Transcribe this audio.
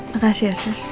makasih ya sus